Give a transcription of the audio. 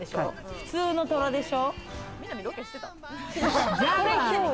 普通のトラでしょ。